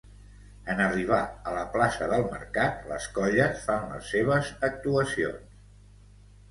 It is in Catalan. En arribar a la plaça del Mercat, les colles fan les seves actuacions.